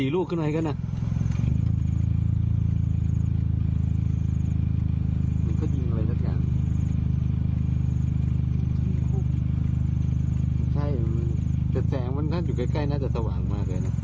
๔ลูกข้างในก็นะ